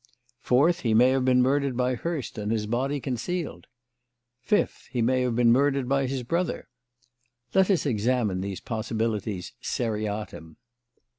Fourth, he may have been murdered by Hurst and his body concealed. Fifth, he may have been murdered by his brother. Let us examine these possibilities seriatim.